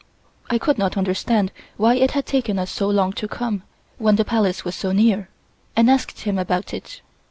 I could not understand why it had taken us so long to come, when the Palace was so near, and asked him about it.